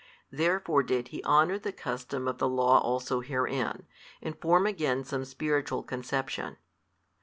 Therefore did he honour the custom of the Law also herein, and form again some spiritual conception.